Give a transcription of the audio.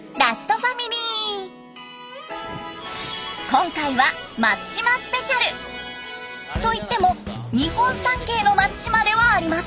今回はと言っても日本三景の松島ではありません。